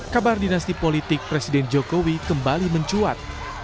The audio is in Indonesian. kabar dinasti politik presiden jokowi kembali mencuat